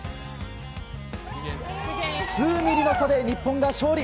数ミリの差で日本が勝利。